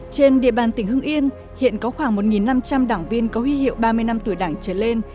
trên địa bàn tỉnh hưng yên hiện có khoảng một năm trăm linh đảng viên có huy hiệu ba mươi năm tuổi đảng trở lên